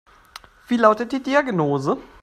Wie lautet die Diagnose?